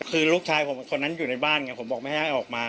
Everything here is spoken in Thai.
คือลูกชายผมคนนั้นอยู่ในบ้านไงผมบอกไม่ให้ออกมา